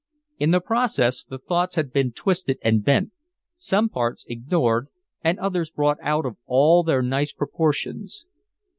In the process the thoughts had been twisted and bent, some parts ignored and others brought out of all their nice proportions.